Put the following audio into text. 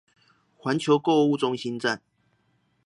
環球購物中心站